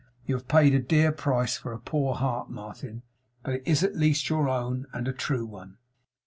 You have paid a dear price for a poor heart, Martin; but it is at least your own, and a true one.